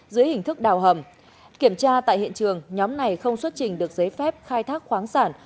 dưới hình thức đào hầm kiểm tra tại hiện trường nhóm này không xuất trình được giấy phép khai thác khoáng sản